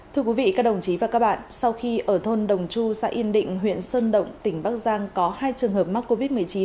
thưa quý vị các đồng chí và các bạn sau khi ở thôn đồng chu xã yên định huyện sơn động tỉnh bắc giang có hai trường hợp mắc covid một mươi chín